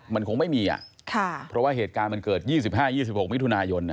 มันคงไม่มีเพราะว่าเหตุการณ์มันเกิด๒๕๒๖มิถุนายน